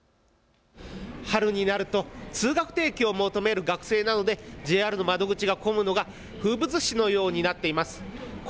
春になると通学定期を求める学生などでＪＲの窓口が混むのが風物詩のようになっています。